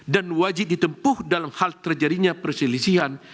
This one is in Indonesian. dan wajib ditempuh dalam hal terjadinya perselisihan